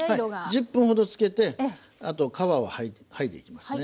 １０分ほどつけてあと皮を剥いでいきますね。